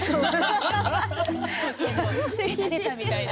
また出たみたいな。